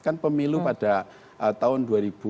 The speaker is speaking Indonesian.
kan pemilu pada tahun